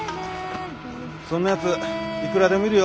そんなやついくらでもいるよ。